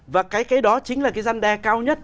và cái đó chính là cái răn đe cao nhất